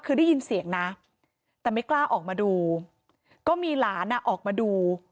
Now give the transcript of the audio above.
คือได้ยินเสียงนะแต่ไม่กล้าออกมาดูก็มีหลานออกมาดู